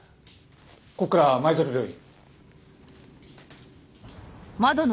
ここから前園病院。